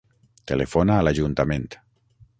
Telefona a l'ajuntament.